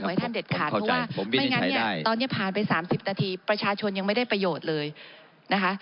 ให้ท่านเด็ดขาดเพราะว่าไม่งั้นเนี่ยตอนนี้ผ่านไป๓๐นาทีประชาชนยังไม่ได้ประโยชน์เลยนะคะ